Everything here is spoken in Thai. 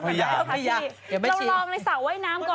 อันที่มันไม่ใช่แนวอันที่มันไม่ใช่แนว